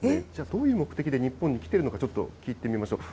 どういう目的で日本に来ているのか、聞いてみましょう。